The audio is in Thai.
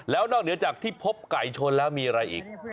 แล้วนอกเหนือจากที่พบไก่ชนแล้วมีอะไรอีก